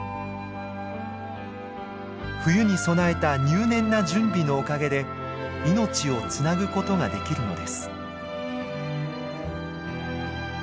冬に備えた入念な準備のおかげで命をつなぐことができるのです。